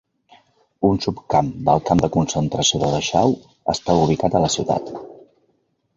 Un subcamp del camp de concentració de Dachau estava ubicat a la ciutat.